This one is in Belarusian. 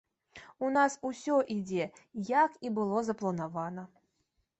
У нас усё ідзе, як і было запланавана.